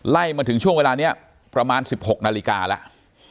มาถึงช่วงเวลานี้ประมาณ๑๖นาฬิกาแล้ว